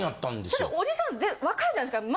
それおじさんわかるじゃないですか。